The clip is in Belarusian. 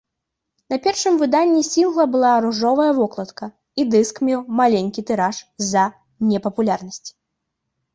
На першым выданні сінгла была ружовая вокладка і дыск меў маленькі тыраж, з-за непапулярнасці.